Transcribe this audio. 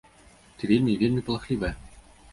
Ты вельмі і вельмі палахлівая.